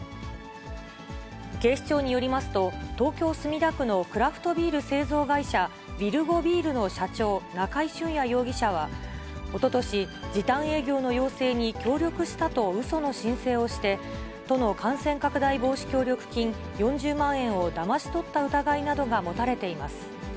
警視庁によりますと、東京・墨田区のクラフトビール製造会社、ヴィルゴビールの社長、中井俊也容疑者は、おととし、時短営業の要請に協力したとうその申請をして、都の感染拡大防止協力金４０万円をだまし取った疑いなどが持たれています。